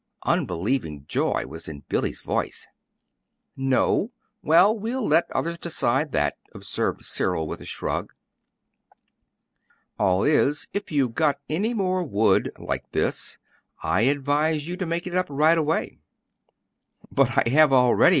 Unbelieving joy was in Billy's voice. "No? Well, we'll let others decide that," observed Cyril, with a shrug. "All is, if you've got any more wood like this I advise you to make it up right away." "But I have already!"